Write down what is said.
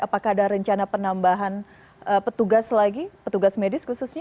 apakah ada rencana penambahan petugas lagi petugas medis khususnya